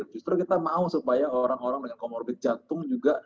justru kita mau supaya orang orang dengan comorbid jantung juga